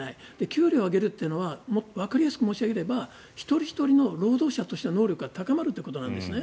給料を上げるというのはわかりやすく申し上げれば一人ひとりの労働者としての能力が高まるということなんですね。